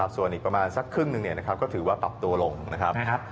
ส่วนอีกประมาณสักครึ่งหนึ่งก็ถือว่าปรับตัวลงนะครับ